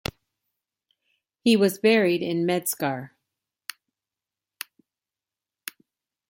He was buried in Medzkar.